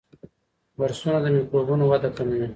برسونه د میکروبونو وده کموي.